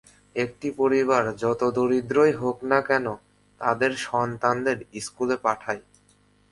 একটি পরিবার যত দরিদ্রই হোক না কেন, তাদের সন্তানদের স্কুলে পাঠায়।